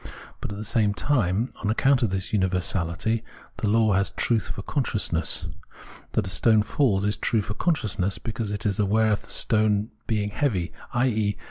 But, at the same time, on accoimt of this universality, the law has truth for consciousness. That a stone falls is true for con sciousness, because it is aware of the stone being heavy, i.e.